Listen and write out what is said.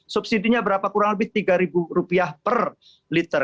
subsidinya berapa kurang lebih rp tiga per liter